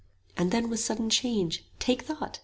And then with sudden change, Take thought!